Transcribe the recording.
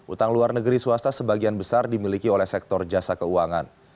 utang luar negeri swasta sebagian besar dimiliki oleh sektor jasa keuangan